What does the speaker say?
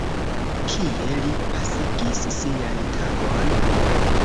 Kie li pasigis sian tagon?